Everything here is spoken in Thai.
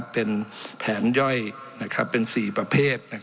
เป็นแผนย่อยเป็น๔ประเภท